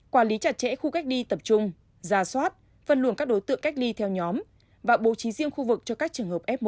quản lý chặt chẽ khu cách ly tập trung giả soát phân luồng các đối tượng cách ly theo nhóm và bố trí riêng khu vực cho các trường hợp f một